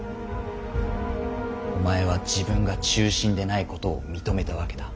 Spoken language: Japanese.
お前は自分が忠臣でないことを認めたわけだ。